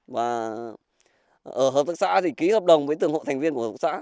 và ở hợp tác xã thì ký hợp đồng với từng hộ thành viên của hợp tác xã